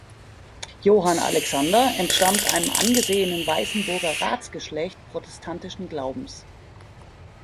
Johann Alexander entstammt einem angesehenen Weißenburger Ratsgeschlecht protestantischen Glaubens.